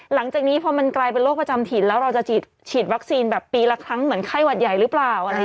หลังจากนี้พอมันกลายเป็นโรคประจำถิ่นแล้วเราจะฉีดวัคซีนแบบปีละครั้งเหมือนไข้หวัดใหญ่หรือเปล่า